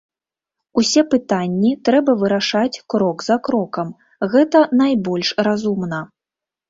Усе пытанні трэба вырашаць крок за крокам, гэта найбольш разумна.